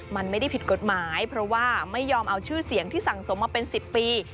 มันไม่ได้ผิดกฎหมายเพราะว่าไม่ยอมเอาชื่อเสียงที่สั่งสมมาเป็น๑๐ปี